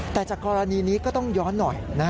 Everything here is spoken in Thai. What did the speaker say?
แต่จากกรณีนี้ก็ต้องย้อนหน่อย